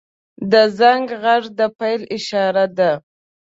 • د زنګ غږ د پیل اشاره ده.